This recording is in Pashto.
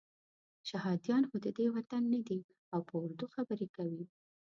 شهادیان خو ددې وطن نه دي او په اردو خبرې کوي.